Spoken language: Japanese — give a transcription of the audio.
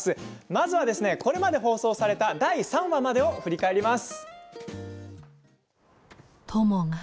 まずはこれまで放送された第３話までを振り返ります。